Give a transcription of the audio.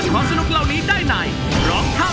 ช่วยฝังดินหรือกว่า